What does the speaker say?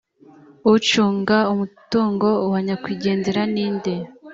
ucunga umutungo wa nyakwigendera ni nde?